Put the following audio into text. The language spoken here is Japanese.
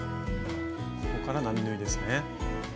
ここから並縫いですね。